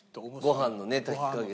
ご飯のね炊き加減。